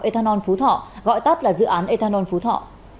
ethanol phú thọ gọi tắt là dự án ethanol phú thọ